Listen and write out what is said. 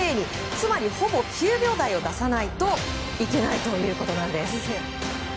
つまり、ほぼ９秒台を出さないといけないということなんです。